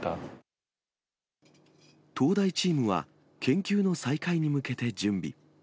東大チームは研究の再開に向けて準備。